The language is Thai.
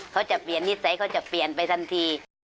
เขาจะเปลี่ยนนิสัยเขาจะเปลี่ยนไปทันที